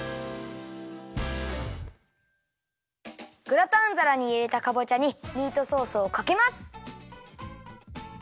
グラタンざらにいれたかぼちゃにミートソースをかけます。